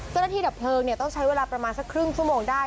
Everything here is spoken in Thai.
ดับเพลิงต้องใช้เวลาประมาณสักครึ่งชั่วโมงได้